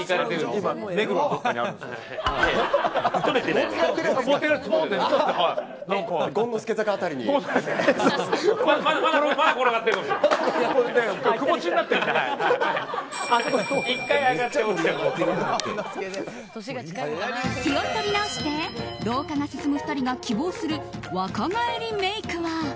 気を取り直して老化が進む２人が希望する若返りメイクは？